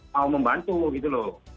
mau membantu gitu loh